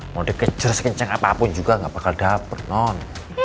mau dia kejar sekenceng apapun juga gak bakal dapet non